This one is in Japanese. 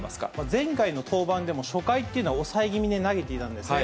前回の登板でも初回っていうのは抑え気味に投げていたんですね。